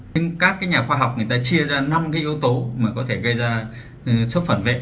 nhưng các cái nhà khoa học người ta chia ra năm cái yếu tố mà có thể gây ra sốc phản vệ